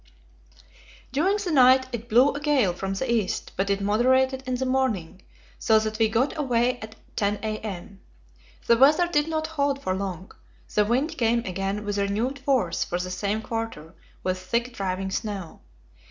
During the night it blew a gale from the east, but it moderated in the morning, so that we got away at 10 a.m. The weather did not hold for long; the wind came again with renewed force from the same quarter, with thick driving snow.